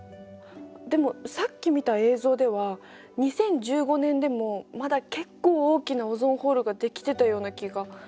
でもさっき見た映像では２０１５年でもまだ結構大きなオゾンホールが出来てたような気が。